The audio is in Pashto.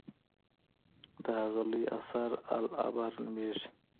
د هغه لوی اثر العبر نومېږي.